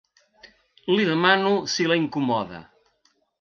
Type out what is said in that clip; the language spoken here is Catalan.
Li demano si la incomoda.